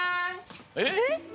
えっ！？